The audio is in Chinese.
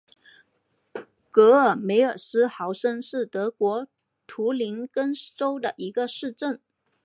格里梅尔斯豪森是德国图林根州的一个市镇。